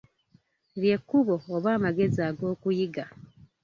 Lye kkubo oba amagezi ag'okuyiga.